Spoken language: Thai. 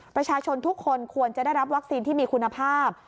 ประชาชนทุกคนควรจะได้รับวัคซีนที่มีคุณภาพ